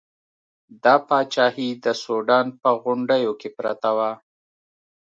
دا پاچاهي د سوډان په غونډیو کې پرته وه.